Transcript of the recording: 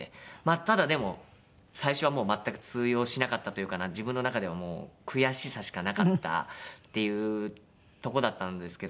ただでも最初はもう全く通用しなかったというか自分の中ではもう悔しさしかなかったっていうとこだったんですけど。